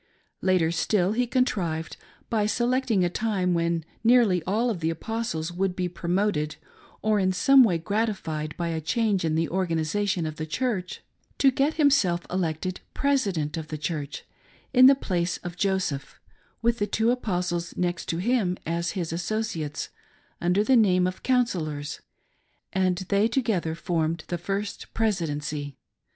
Later still he contrived, by selecting a time when nearly all of the Apostles would be promoted or in some way gratified by a change in the organisation of the Church, to get himself elected President of the Church, in the place of Joseph, with the two Apostles next under him as lis associ ates, under the name of " counsellors ;" and they together formed the First Presidency.